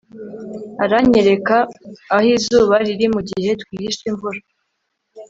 aranyereka aho izuba riri mugihe twihishe imvura